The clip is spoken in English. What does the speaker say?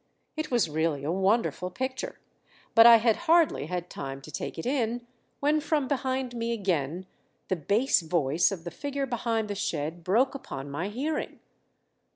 It was really a wonderful picture; but I had hardly had time to take it in when from behind me again the bass voice of the figure behind the shed broke upon my hearing.